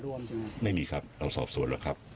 คนเดียวครับไม่มีครับเราสอบส่วนแล้วครับ